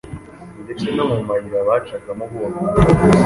ndetse no mu mayira bacagamo bonyine,